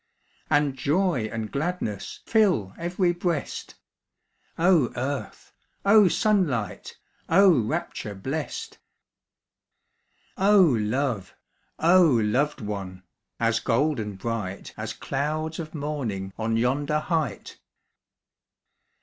And joy and gladness Fill ev'ry breast! Oh earth! oh sunlight! Oh rapture blest! Oh love! oh loved one! As golden bright, As clouds of morning On yonder height!